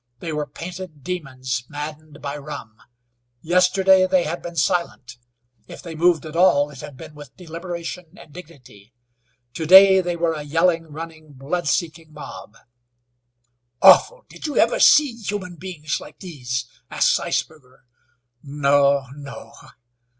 They were painted demons, maddened by rum. Yesterday they had been silent; if they moved at all it had been with deliberation and dignity. To day they were a yelling, running, blood seeking mob. "Awful! Did you ever see human beings like these?" asked Zeisberger. "No, no!"